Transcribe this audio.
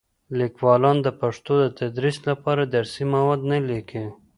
لیکوالان د پښتو د تدریس لپاره درسي مواد نه لیکي.